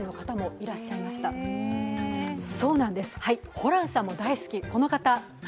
ホランさんも大好き、この方。